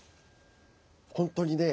本当にね